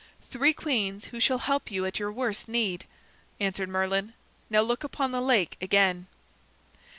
"Three queens who shall help you at your worst need," answered Merlin. "Now look out upon the lake again."